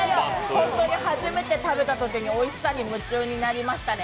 本当に、初めて食べたときにおいしさに夢中になりましたね。